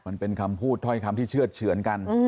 มันเป็นคำพูดถ้อยคำที่เชื่อดเฉือนกัน